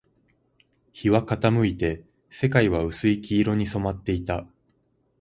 日は傾いて、世界は薄い黄色に染まっていた